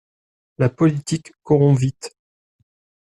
La politique corrompt vite.